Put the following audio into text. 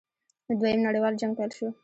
دویم نړیوال جنګ پیل شو.